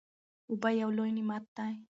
اوبه یو لوی نعمت دی.